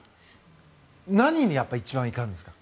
何に一番怒るんですか？